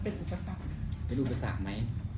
ที่เป็นอุปสรรคไหม